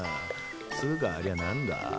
つぅかありゃなんだ？